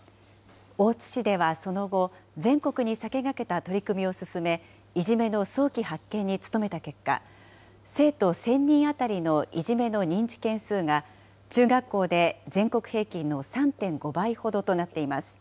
大津市ではその後、全国に先駆けた取り組みを進め、いじめの早期発見に努めた結果、生徒１０００人当たりのいじめの認知件数が中学校で全国平均の３．５倍ほどとなっています。